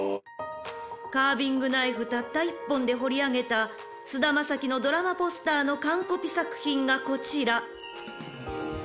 ［カービングナイフたった一本で彫り上げた菅田将暉のドラマポスターのカンコピ作品がこちら］